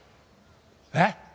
えっ？